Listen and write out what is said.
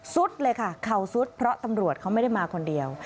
เลยค่ะเข่าซุดเพราะตำรวจเขาไม่ได้มาคนเดียว